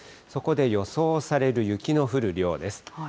そこで予想される雪の降る量です。